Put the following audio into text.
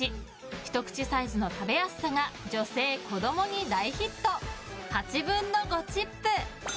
ひと口サイズの食べやすさが女性子供に大ヒット５／８チップ！